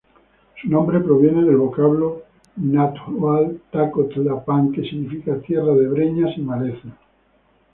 Su nombre proviene del vocablo náhuatl "Taco-tlal-pan", que significa "Tierra de breñas y malezas".